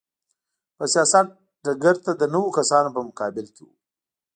په سیاست ډګر ته د نویو کسانو په مقابل کې و.